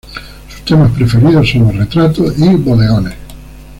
Sus temas preferidos son los retratos y bodegones.